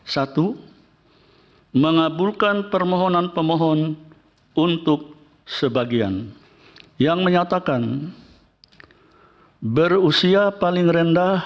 satu mengabulkan permohonan pemohon untuk sebagian yang menyatakan berusia paling rendah empat puluh tahun